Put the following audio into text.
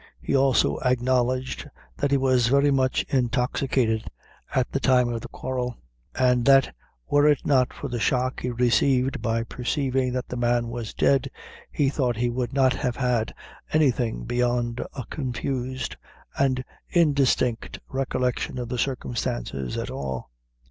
He also acknowledged that he was very much intoxicated at the time of the quarrel, and that were it not for the shock he received by perceiving that the man was dead, he thought he would not have had anything beyond a confused and indistinct recollection of the circumstance at all.